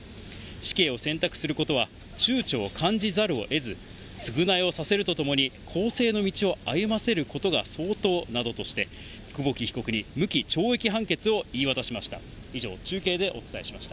死刑を選択することは、ちゅうちょを感じざるをえず、償いをさせるとともに、更生の道を歩ませることが相当などとして、久保木被告に無期懲役判決を言い渡しました。